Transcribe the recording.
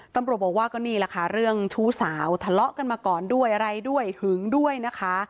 ตำรวจบอกว่าก็นี่แหละค่ะเรื่องชู้สาวทะเลาะกันมาก่อนด้วยอะไรด้วยหึงด้วยนะคะ